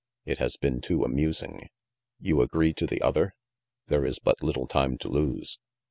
It has been too amusing. You agree to the other? There is but little time to lose."